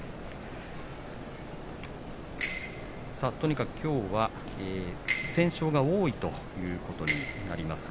とにかくきょうは不戦勝が多いということになります。